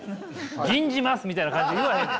「吟じます」みたいな感じで言わへんって。